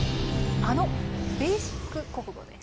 あの「ベーシック国語」です。